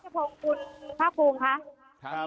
บางนางประชาปงษ์คุณภะคุง